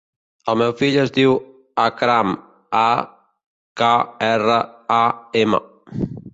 El meu fill es diu Akram: a, ca, erra, a, ema.